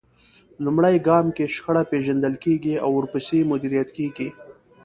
لومړی ګام کې شخړه پېژندل کېږي او ورپسې مديريت کېږي.